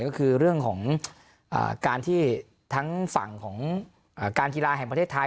ก็คือเรื่องของการที่ทั้งฝั่งของการกีฬาแห่งประเทศไทย